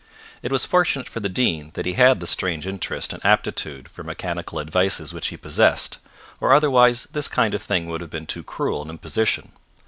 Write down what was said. It was fortunate for the Dean that he had the strange interest and aptitude for mechanical advices which he possessed, or otherwise this kind of thing would have been too cruel an imposition.